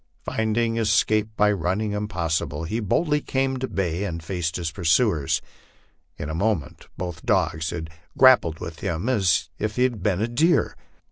Finding escape by running impossible, lie boldly came to bay and faced his pursuers ; in a moment both dogs had grappled with him as if he had been a deer.